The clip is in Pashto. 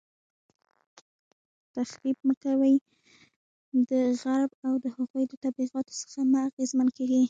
تخریب مه کوئ، د غرب او د هغوی د تبلیغاتو څخه مه اغیزمن کیږئ